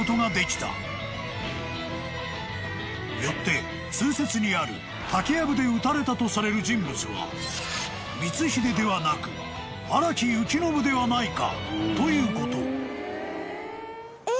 ［よって通説にある竹やぶで討たれたとされる人物は光秀ではなく荒木行信ではないかということ］え！？